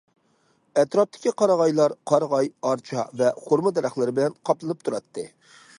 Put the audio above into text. ئەتراپتىكى قارىغايلار قارىغاي، ئارچا ۋە خورما دەرەخلىرى بىلەن قاپلىنىپ تۇراتتى.